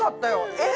「えっ？」